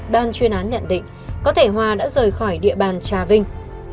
ban chuyên án nhận định có thể hòa đã rời khỏi địa bàn trà vinh